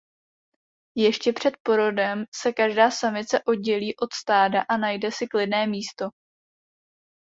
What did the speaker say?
Ještě před porodem se každá samice oddělí od stáda a najde si klidné místo.